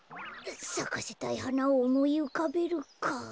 さかせたいはなをおもいうかべるか。